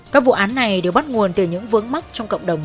các vụ án này đều bắt nguồn từ những vướng mắc trong cộng đồng